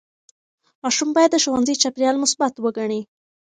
ماشوم باید د ښوونځي چاپېریال مثبت وګڼي.